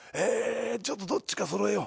ちょっとどっちかそろえよう。